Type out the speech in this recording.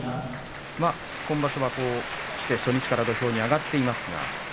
今場所は初日から土俵に上がっています。